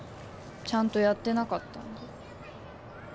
ちゃんとやってなかったんだ